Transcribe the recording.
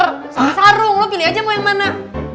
sambil sarung lo pilih aja mau yang mana